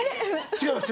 違います。